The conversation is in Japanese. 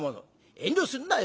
遠慮するなよ